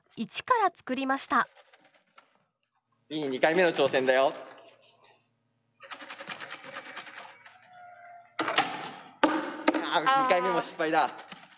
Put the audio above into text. あっ２回目も失敗だ。